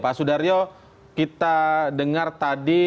pak sudaryo kita dengar tadi